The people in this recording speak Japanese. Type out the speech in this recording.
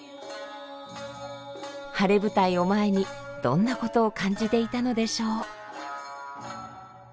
晴れ舞台を前にどんなことを感じていたのでしょう。